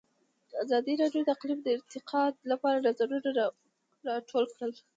ازادي راډیو د اقلیم د ارتقا لپاره نظرونه راټول کړي.